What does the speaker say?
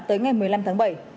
tới ngày một mươi năm tháng bảy